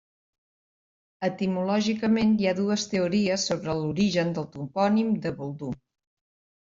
Etimològicament, hi ha dues teories sobre l'origen del topònim de Boldú.